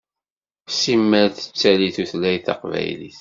Simmal tettali tutlayt taqbaylit.